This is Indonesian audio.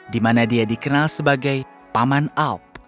di mana dia dikenal sebagai paman alp